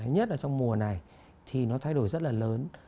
nhất là trong mùa này thì nó thay đổi rất là lớn